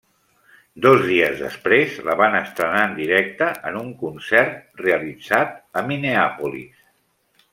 Dos dies després la van estrenar en directe en un concert realitzat a Minneapolis.